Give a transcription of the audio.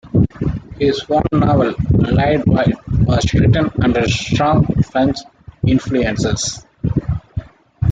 His one novel, "Lidewyde", was written under strong French influences.